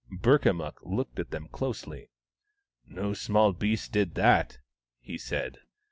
Burkamukk looked at them closely. " No small beast did that," he said.